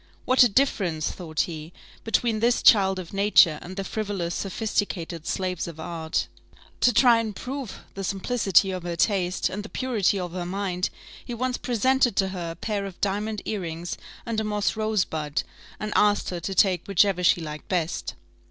What a difference, thought he, between this child of nature and the frivolous, sophisticated slaves of art! To try and prove the simplicity of her taste, and the purity of her mind, he once presented to her a pair of diamond earrings and a moss rosebud, and asked her to take whichever she liked best.